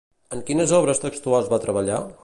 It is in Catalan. En quines obres textuals va treballar?